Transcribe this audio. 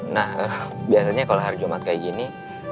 nah biasanya kalau hari jumat kayak gini